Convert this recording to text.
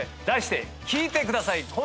題して聞いてください。